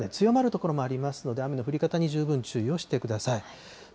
雨が強まる所もありますので、雨の降り方に十分注意をしてください。